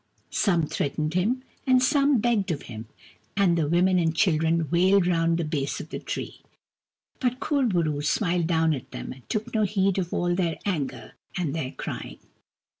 Some threatened him, and some begged of him, and the women and children wailed round the base of the tree. But Kur bo roo smiled down at them, and took no heed of all their anger and their crying.